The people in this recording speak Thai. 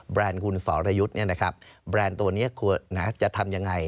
แบรนด์คุณศรยุทธ์แบรนด์ตัวนี้จะทำอย่างไร